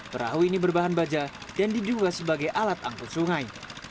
perahu ini berbahan baja dan diduga sebagai alat angkut sungai